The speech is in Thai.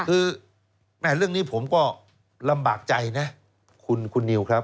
คือแม่เรื่องนี้ผมก็ลำบากใจนะคุณนิวครับ